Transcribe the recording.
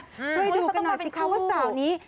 ช่วยดูกันหน่อยสิคะว่าสาวนี้